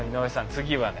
次はね